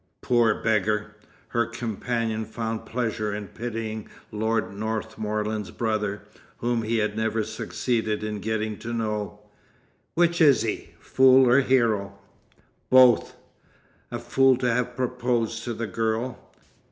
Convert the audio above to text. "Poor beggar!" Her companion found pleasure in pitying Lord Northmorland's brother, whom he had never succeeded in getting to know. "Which is he, fool or hero?" "Both. A fool to have proposed to the girl.